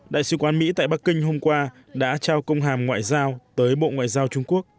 đại sứ quán mỹ tại bắc kinh hôm qua đã trao công hàm ngoại giao tới bộ ngoại giao trung quốc